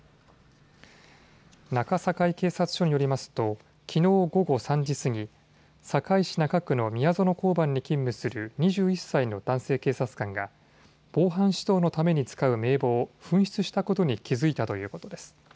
中堺警察署によりますときのう午後３時過ぎ、堺市中区の宮園交番に勤務する２１歳の男性警察官が防犯指導のために使う名簿を紛失したことに気付いたということです。